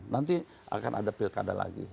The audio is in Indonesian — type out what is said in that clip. nanti akan ada pilkada lagi